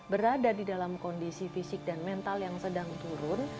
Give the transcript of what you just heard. berada di dalam kondisi fisik dan mental yang sedang turun